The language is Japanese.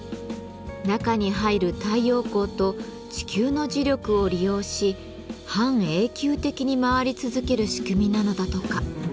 中に入る太陽光と地球の磁力を利用し半永久的に回り続ける仕組みなのだとか。